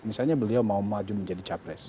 misalnya beliau mau maju menjadi capres